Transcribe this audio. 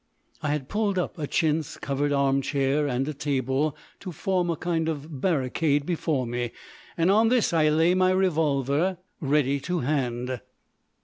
I had pulled up a chintz covered arm chair and a table, to form a kind of barricade before me, and on this lay my revolver ready to hand.